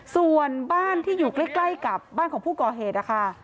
ส่วนบ้านที่อยู่ใกล้กับบ้านของผู้ก่อเหตุนะคะ